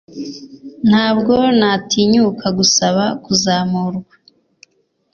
Ntabwo natinyuka gusaba kuzamurwa